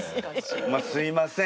まあすいません